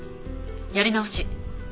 やり直し。